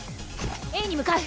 Ａに向かう！